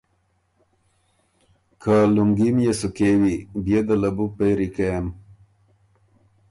که لُونګي ميې سو کېوی بیې ده له بو پېری کېم۔“